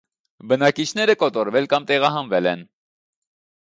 Բնակիչները կոտորվել կամ տեղահանվել են։